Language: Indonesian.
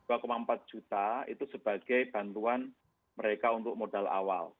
rp dua empat juta itu sebagai bantuan mereka untuk modal awal